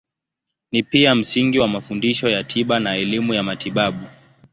Ni pia msingi wa mafundisho ya tiba na elimu ya matibabu.